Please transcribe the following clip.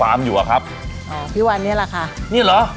ฟาร์มอยู่หรอครับอ๋อพี่วันนี้แหละค่ะนี่เหรอใช่